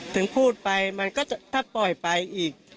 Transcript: ถึงพูดไปมันก็จะถ้าปล่อยไปอีก